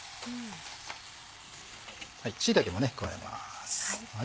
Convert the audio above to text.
椎茸も加えます。